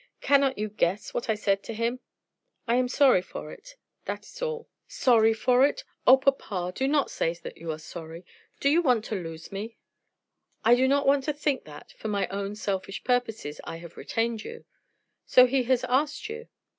"Cannot you guess what I said to him?" "I am sorry for it; that's all." "Sorry for it? Oh, papa, do not say that you are sorry. Do you want to lose me?" "I do not want to think that for my own selfish purposes I have retained you. So he has asked you?"